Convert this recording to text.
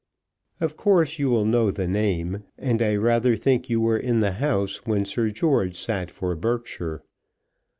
Of course you will know the name, and I rather think you were in the House when Sir George sat for Berkshire.